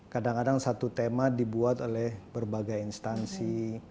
kadang kadang satu tema dibuat oleh berbagai instansi